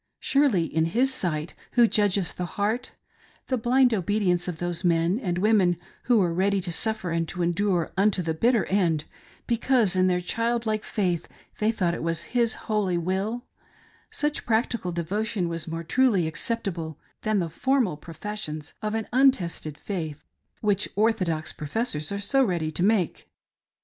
Surely, in His sight — who judges the heart — the blind obedience of those men and women who were ready to suffer and to endure unto the bitter end, because in their child like faith they thought it was His holy will — such practical devotion was more truly accept able than the formal professions of an untested faith which or thodox professors are so ready to make.